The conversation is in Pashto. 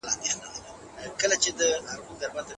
سترګي چي پټي كړي باڼه يې سره ورسي داسي